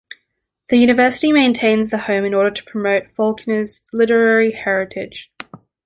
The University maintains the home in order to promote Faulkner's literary heritage.